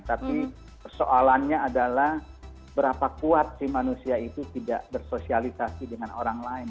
tapi persoalannya adalah berapa kuat si manusia itu tidak bersosialisasi dengan orang lain